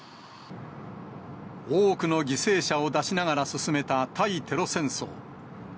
多くの犠牲者を出しながら進めた対テロ戦争。